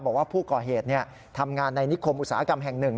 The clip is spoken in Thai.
บอกว่าผู้ก่อเหตุทำงานในนิคมอุตสาหกรรมแห่งหนึ่ง